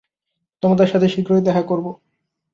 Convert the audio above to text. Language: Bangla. তোমাদের সাথে শীঘ্রই দেখা করব।